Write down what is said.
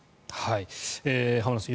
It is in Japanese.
浜田さん